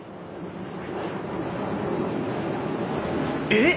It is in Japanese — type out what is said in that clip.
えっ！？